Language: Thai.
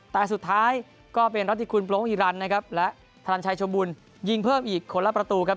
แต่สุดท้ายก็เป็นรัฐธิคุณโปรอิรันนะครับและธนันชัยชมบุญยิงเพิ่มอีกคนละประตูครับ